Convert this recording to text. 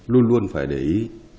luôn luôn phải để ý